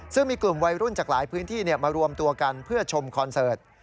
ซึ่งมีกลุ่มวัยรุ่นจากหลายพื้นที่มารวมตัวกันเพื่อชมคอนเสิร์ต